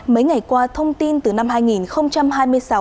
mấy ngày qua thông tin từ năm hai nghìn hai mươi sáu